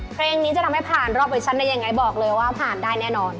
เพลงนี้จะทำให้ผ่านรอบเวอร์ชันได้ยังไงบอกเลยว่าผ่านได้แน่นอน